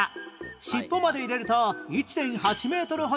尻尾まで入れると １．８ メートルほども